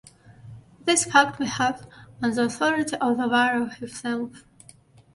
This fact we have on the authority of the Varro himself.